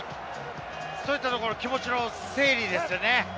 そういったところ、気持ちの整理ですね。